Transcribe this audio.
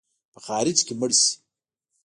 په خارج کې مړ سې.